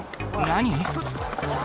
何？